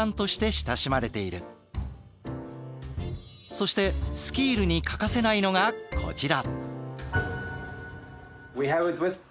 そしてスキールに欠かせないのがこちら。